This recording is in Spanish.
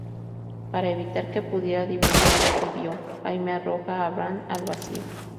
Para evitar que pudiera divulgar lo que vio, Jaime arroja a Bran al vacío.